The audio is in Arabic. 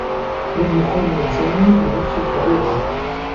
لم يُعامَل سامي بنفس الطّريقة.